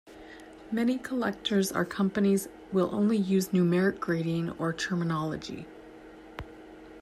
Many collectors and companies will use only numeric grading or terminology.